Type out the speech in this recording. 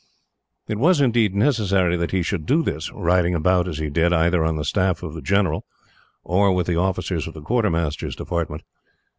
It was, indeed, necessary that he should do this, riding about, as he did, either on the staff of the general, or with the officers of the quartermasters' department.